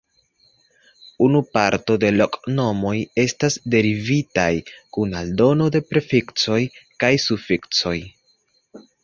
Unu parto de loknomoj estas derivitaj kun aldono de prefiksoj kaj sufiksoj.